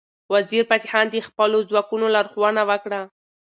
وزیرفتح خان د خپلو ځواکونو لارښوونه وکړه.